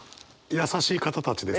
優しい方たちですね。